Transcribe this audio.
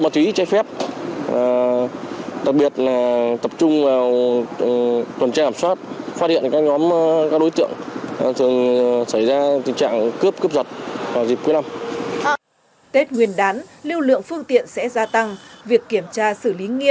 tết nguyên đán lưu lượng phương tiện sẽ gia tăng